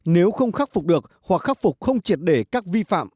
nếu không khắc phục được hoặc khắc phục không triệt để các vi phạm